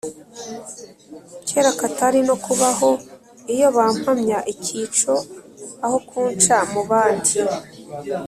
kera Katari no kubaho Iyo bampamya icyico Aho kunca mu bandi